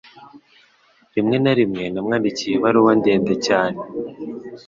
Rimwe na rimwe namwandikiye ibaruwa ndende cyane.